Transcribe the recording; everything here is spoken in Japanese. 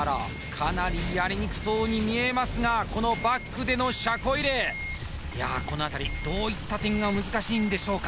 かなりやりにくそうに見えますがこのバックでの車庫入れいやあこの辺りどういった点が難しいんでしょうか？